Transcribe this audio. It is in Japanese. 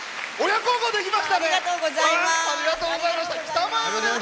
親孝行できましたね。